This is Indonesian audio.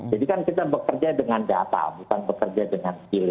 jadi kan kita bekerja dengan data bukan bekerja dengan skill